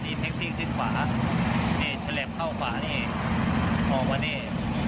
นี่แท็กซี่ชิงขวาเนี่ยฉลบเข้าขวานี่ออกมาเนี้ย